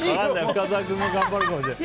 深澤君が頑張るかもしれない。